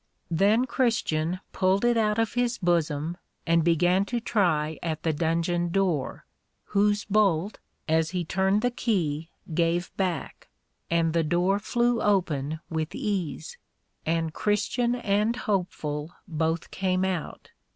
Then Christian pulled it out of his bosom, and began to try at the Dungeon door, whose bolt (as he turned the Key) gave back, and the door flew open with ease, and Christian and Hopeful both came out.